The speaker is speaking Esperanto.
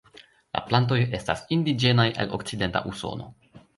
La plantoj estas indiĝenaj el Okcidenta Usono.